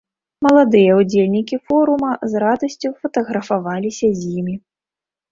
Маладыя ўдзельнікі форума з радасцю фатаграфаваліся з імі.